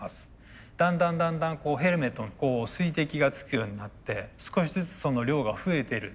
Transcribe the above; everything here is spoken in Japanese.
だんだんだんだんこうヘルメットに水滴がつくようになって少しずつその量が増えてる。